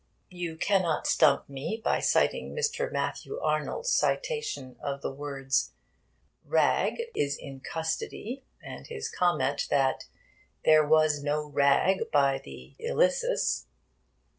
You cannot stump me by citing Mr. Matthew Arnold's citation of the words 'Ragg is in custody,' and his comment that 'there was no Ragg by the Ilyssus.'